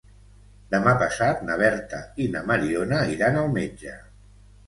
Demà passat na Berta i na Mariona iran al metge.